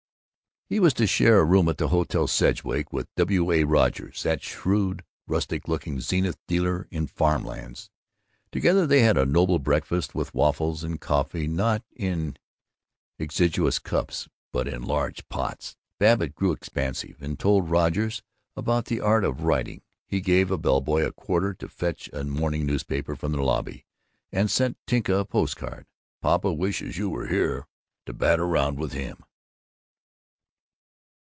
He was to share a room at the Hotel Sedgwick with W. A. Rogers, that shrewd, rustic looking Zenith dealer in farm lands. Together they had a noble breakfast, with waffles, and coffee not in exiguous cups but in large pots. Babbitt grew expansive, and told Rogers about the art of writing; he gave a bellboy a quarter to fetch a morning newspaper from the lobby, and sent to Tinka a post card: "Papa wishes you were here to bat round with him."